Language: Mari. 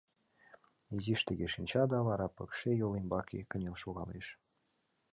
Изиш тыге шинча да вара пыкше йол ӱмбаке кынел шогалеш.